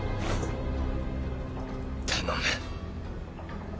頼む。